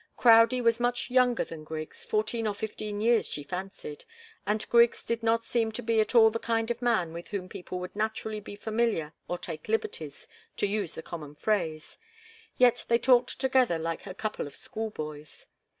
Crowdie was much younger than Griggs fourteen or fifteen years, she fancied, and Griggs did not seem to be at all the kind of man with whom people would naturally be familiar or take liberties, to use the common phrase. Yet they talked together like a couple of schoolboys.